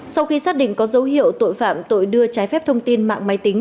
sau khi xác định có dấu hiệu tội phạm tội đưa trái phép thông tin mạng máy tính